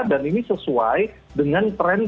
dan ini sesuai dengan resiko yang kecil